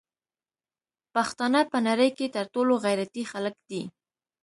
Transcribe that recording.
پښتانه په نړی کی تر ټولو غیرتی خلک دی